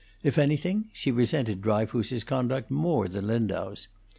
If anything, she resented Dryfoos's conduct more than Lindau's.